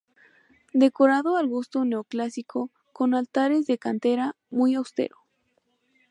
Decorado al gusto neoclásico, con altares de cantera, muy austero.